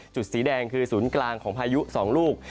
สีแดงคือศูนย์กลางของพายุ๒ลูก